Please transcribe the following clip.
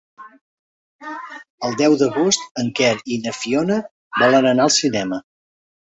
El deu d'agost en Quer i na Fiona volen anar al cinema.